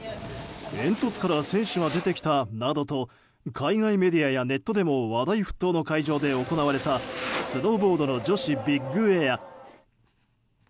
煙突から選手が出てきたなどと海外メディアやネットでも話題沸騰の会場で行われたスノーボードの女子ビッグエア。